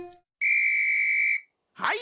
はい。